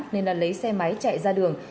nên đã lấy xe máy chạy ra đường